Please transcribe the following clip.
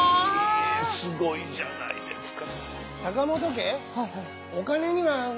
えすごいじゃないですか。